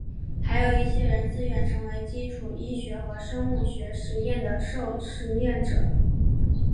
还有一些人自愿成为基础医学和生物学实验的受实验者。